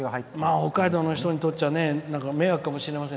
北海道の人にとっちゃ迷惑かもしれません。